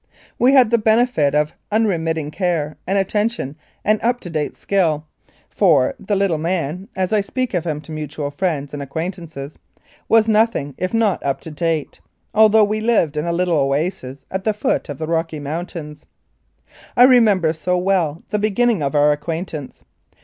We had the benefit of unremitting care and attention and up to date skill, for "the little man" (as I speak of him to mutual friends and ac quaintances) was nothing if not up to date, although we lived in a little oasis at the foot of the Rocky Mountains. I remember so well the beginning of our acquaintance.